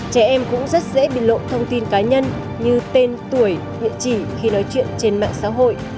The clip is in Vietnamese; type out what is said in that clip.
trẻ em cũng rất dễ bị lộ thông tin cá nhân như tên tuổi địa chỉ khi nói chuyện trên mạng xã hội